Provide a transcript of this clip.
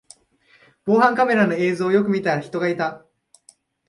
防犯カメラの映像をよく見たら人がいた